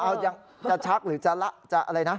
เอายังจะชักหรือจะละจะอะไรนะ